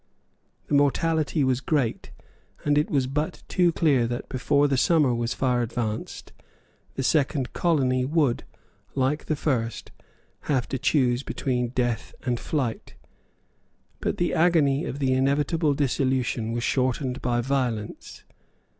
The mortality was great; and it was but too clear that, before the summer was far advanced, the second colony would, like the first, have to choose between death and flight. But the agony of the inevitable dissolution was shortened by violence.